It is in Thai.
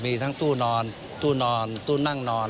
มีทั้งตู้นอนตู้นอนตู้นั่งนอน